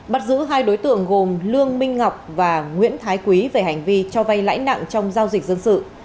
bắt giữ hai đối tượng gồm lương minh ngọc và nguyễn thái quý về hành vi cho vay lãi nặng trong giao dịch dân sự